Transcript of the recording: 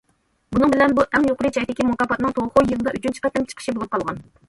بۇنىڭ بىلەن بۇ ئەڭ يۇقىرى چەكتىكى مۇكاپاتنىڭ توخۇ يىلىدا ئۈچىنچى قېتىم چىقىشى بولۇپ قالغان.